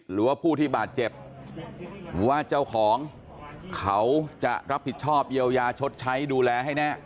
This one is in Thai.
หรือว่าผู้ที่บาดเจ็บว่าเจ้าของเขาจะรับผิดชอบเยียวยาชดใช้ดูแลให้แน่